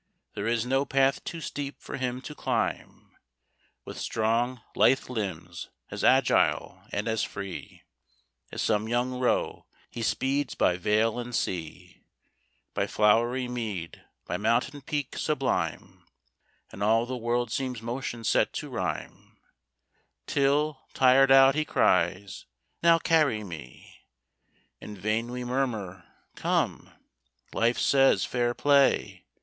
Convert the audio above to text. There is no path too steep for him to climb, With strong, lithe limbs, as agile and as free, As some young roe, he speeds by vale and sea, By flowery mead, by mountain peak sublime, And all the world seems motion set to rhyme, Till, tired out, he cries, "Now carry me!" In vain we murmur, "Come," Life says, "fair play!"